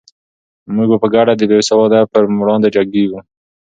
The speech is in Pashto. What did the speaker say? موږ به په ګډه د بې سوادۍ پر وړاندې جنګېږو.